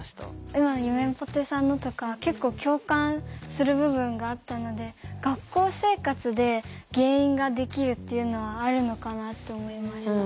今ゆめぽてさんのとか結構共感する部分があったので学校生活で原因ができるっていうのはあるのかなと思いました。